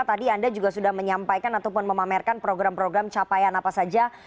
tadi anda juga sudah menyampaikan ataupun memamerkan program program capaian apa saja